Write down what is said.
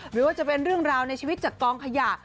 หรือว่าจะเป็นเรื่องราวในชีวิตจากกองขยะ